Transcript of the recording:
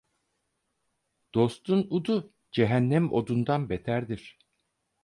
Dostun udu cehennem odundan beterdir.